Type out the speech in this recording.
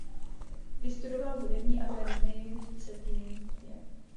Vystudoval hudební akademii v Cetinje.